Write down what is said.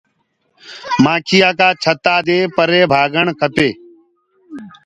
مآکيآ ڪآ ڇتآ دي پري ڀآگڻ کپي؟